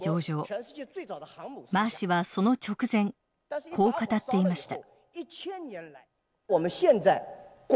マー氏はその直前こう語っていました。